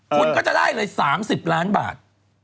ผมจะได้เลย๓๐ล้านบาท